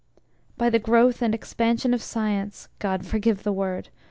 By the growth and expansion of Science (God forgive the word!)